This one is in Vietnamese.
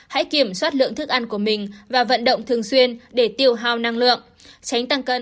hãy kiểm soát lượng thức ăn của mình và vận động thường xuyên để tiêu hào năng lượng tránh tăng cân